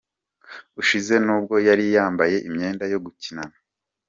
ushize nubwo yari yambaye imyenda yo gukinana.